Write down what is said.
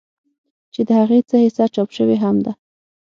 چې د هغې څۀ حصه چاپ شوې هم ده